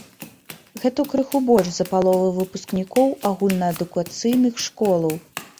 Гэта крыху больш за палову выпускнікоў агульнаадукацыйных школаў.